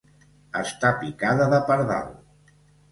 Estar picada de pardal.